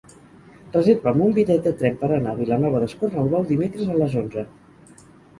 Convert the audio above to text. Reserva'm un bitllet de tren per anar a Vilanova d'Escornalbou dimecres a les onze.